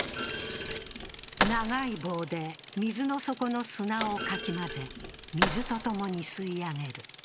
長い棒で水の底の砂をかき混ぜ、水と共に吸い上げる。